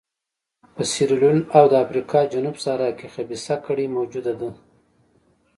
په سیریلیون او د افریقا جنوب صحرا کې خبیثه کړۍ موجوده ده.